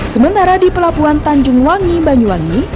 sementara di pelabuhan tanjung wangi banyuwangi